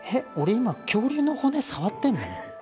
今恐竜の骨触ってんの？